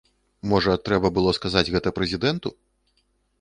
Можа, трэба было сказаць гэта прэзідэнту?